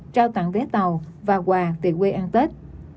trao tặng vé tàu và quà về quê ăn tết